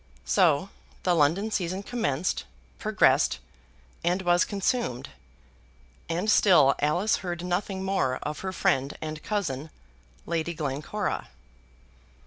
So the London season commenced, progressed, and was consumed; and still Alice heard nothing more of her friend and cousin Lady Glencora.